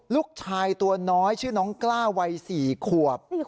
ลูกชายตัวน้อยชื่อน้องกล้าวัย๔ขวบ